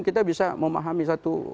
kita bisa memahami satu